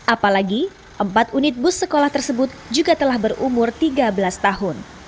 apalagi empat unit bus sekolah tersebut juga telah berumur tiga belas tahun